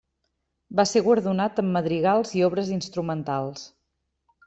Va ser guardonat amb madrigals i obres instrumentals.